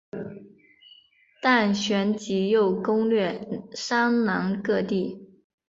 但旋即又攻掠山南各地。